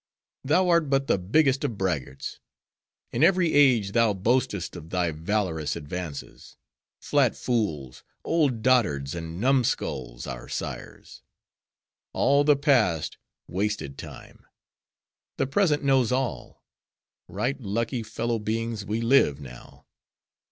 —thou art but the biggest of braggarts! In every age, thou boastest of thy valorous advances:—flat fools, old dotards, and numskulls, our sires! All the Past, wasted time! the Present knows all! right lucky, fellow beings, we live now!